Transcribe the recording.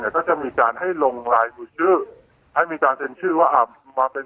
แนวทางการแก้ไขปัญหาจากวิทยาลัย